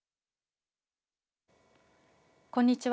こんにちは。